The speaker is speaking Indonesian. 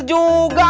masih belum lacer